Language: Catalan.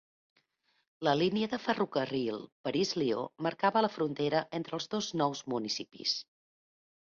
La línia de ferrocarril París-Lió marcava la frontera entre els dos nous municipis.